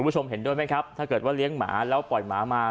คุณผู้ชมเห็นด้วยไหมครับถ้าเกิดว่าเลี้ยงหมาแล้วปล่อยหมามา